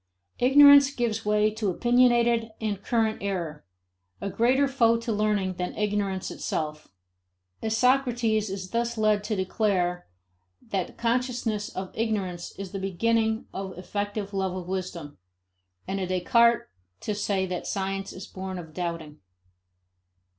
Ignorance gives way to opinionated and current error, a greater foe to learning than ignorance itself. A Socrates is thus led to declare that consciousness of ignorance is the beginning of effective love of wisdom, and a Descartes to say that science is born of doubting.